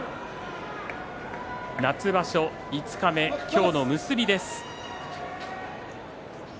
夏場所五日目、今日の結びです。